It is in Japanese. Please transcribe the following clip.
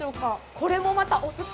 これもまた、お酢と、